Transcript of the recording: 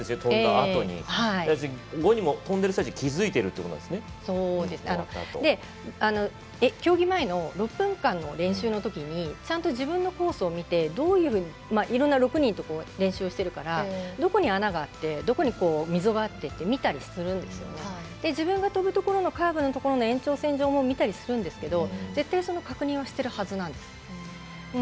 このあとに跳んでる際、本人も競技前の６分間の練習のときにちゃんと自分のコースを見てどういういろんな６人と練習しているからどこに穴があって、どこに溝があって見たりするんですけど自分が跳ぶところのカーブの延長線上も見たりするんですけど絶対にその確認はしてるはずなんです。